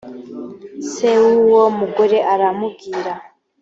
se w uwo mugore aramubwira